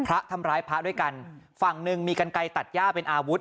พระทำร้ายพระด้วยกันฝั่งหนึ่งมีกันไกลตัดย่าเป็นอาวุธ